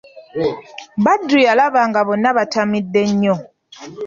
Badru yabalaba nga bonna batamidde nnyo.